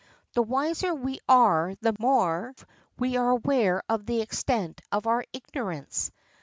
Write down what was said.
The wiser we are the more we are aware of the extent of our ignorance.